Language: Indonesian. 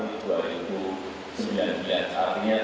artinya sama seperti yang diperlukan kan